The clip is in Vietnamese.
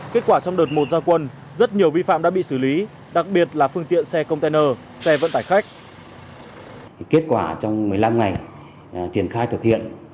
kết quả trong đợt một gia quân rất nhiều vi phạm đã bị xử lý đặc biệt là phương tiện xe container xe vận tải khách